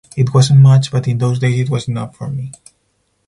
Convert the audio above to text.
It wasn't much but in those days it was enough for me.